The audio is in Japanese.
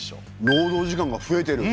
労働時間が増えてる！